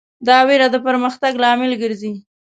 دا وېره د پرمختګ لامل ګرځي.